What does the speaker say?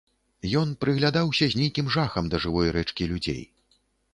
Ён прыглядаўся з нейкім жахам да жывой рэчкі людзей.